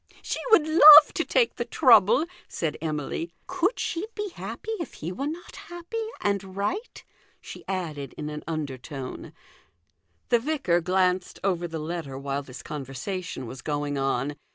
" She would love to take the trouble," said Emily. " Could she be happy if he were not happy and right?" she added in an under tone. The vicar glanced over the letter while this conversation was going on.